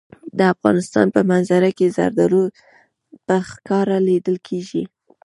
د افغانستان په منظره کې زردالو په ښکاره لیدل کېږي.